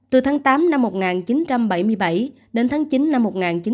từ tháng tám năm một nghìn chín trăm bảy mươi bảy đến tháng chín năm một nghìn chín trăm bảy mươi